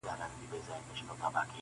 • د سپوږمۍ سره یې پټ د میني راز دی..